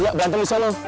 iya berantem di sana